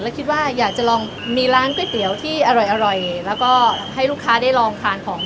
แล้วคิดว่าอยากจะลองมีร้านก๋วยเตี๋ยวที่อร่อยแล้วก็ให้ลูกค้าได้ลองทานของ